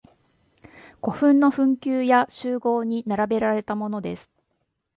古墳の墳丘や周濠に並べられたものです。